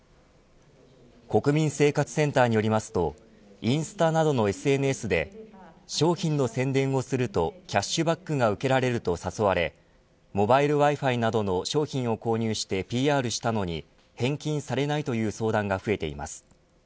国民生活センターによりますとインスタなどのＳＮＳで商品の宣伝をするとキャッシュバックが受けられると誘われモバイルＷｉ‐Ｆｉなどの商品を購入してＰＲしたのに返金されないという相談が増えています。